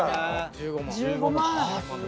１５万。